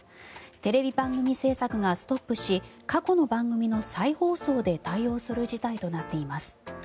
テレビ番組制作がストップし過去の番組の再放送で対応する事態となっています。